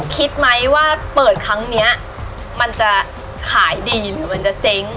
คิดไหมว่าเปิดครั้งนี้มันจะขายดีหรือมันจะเจ๊ง